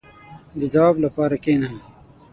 • د ځواب لپاره کښېنه.